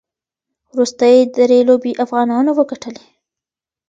وروستۍ درې لوبې افغانانو وګټلې.